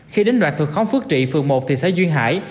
khi đến đoạn thuật khóng phước trị phường một thị xã duyên hải